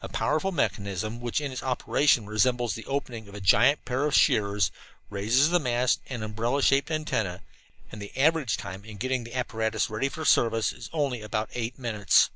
A powerful mechanism which in its operation resembles the opening of a giant pair of shears, raises the mast and umbrella shaped antenna, and the average time in getting the apparatus ready for service is only about eight minutes.